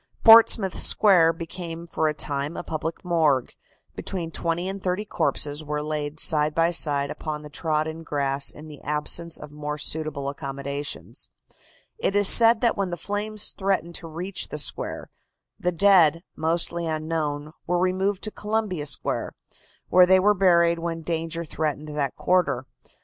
Portsmouth Square became for a time a public morgue. Between twenty and thirty corpses were laid side by side upon the trodden grass in the absence of more suitable accommodations. It is said that when the flames threatened to reach the square, the dead, mostly unknown, were removed to Columbia Square, where they were buried when danger threatened that quarter.